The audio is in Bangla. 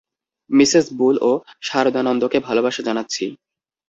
মিসেস বুল ও সারদানন্দকে ভালবাসা জানাচ্ছি।